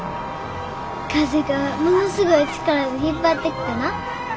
風がものすごい力で引っ張ってきてな。